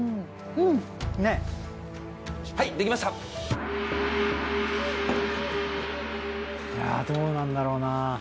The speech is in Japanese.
いやどうなんだろうなあ。